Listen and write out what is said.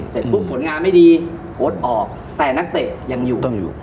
เสร็จปุ๊บผลงานไม่ดีโคตรออกแต่นักเตะยังอยู่